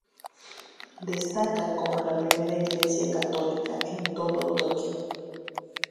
Destaca como la primera iglesia católica en todo Tokio.